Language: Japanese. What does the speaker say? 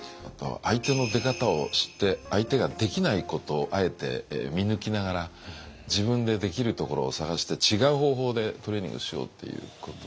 相手の出方を知って相手ができないことをあえて見抜きながら自分でできるところを探して違う方法でトレーニングしようっていうこと。